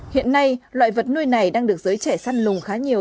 hiện nay loại vật nuôi này đang được giới trẻ săn lùng khá nhiều